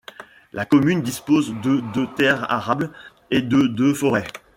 La commune dispose de de terres arables et de de forêts.